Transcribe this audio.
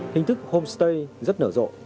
hình thức homestay rất nở rộ